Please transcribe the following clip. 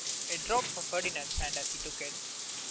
It dropped from Ferdinand's hand as he took it.